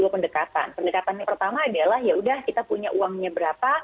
pendekatan yang pertama adalah yaudah kita punya uangnya berapa